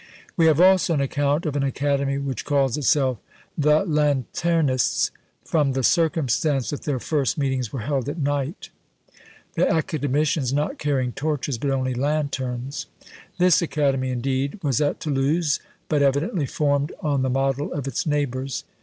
We have also an account of an academy which called itself the Lanternists, from the circumstance that their first meetings were held at night, the academicians not carrying torches, but only Lanterns. This academy, indeed, was at Toulouse, but evidently formed on the model of its neighbours.